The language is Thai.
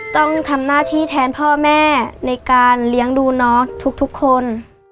ต้องทำหน้าที่แทนพ่อแม่ในการเลี้ยงดูน้องทุกคน